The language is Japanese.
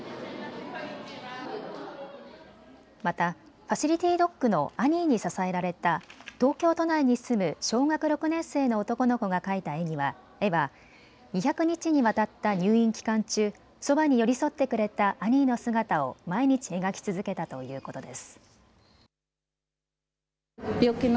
またファシリティドッグのアニーに支えられた東京都内に住む小学６年生の男の子が描いた絵は２００日にわたった入院期間中、そばに寄り添ってくれたアニーの姿を毎日描き続けたということです。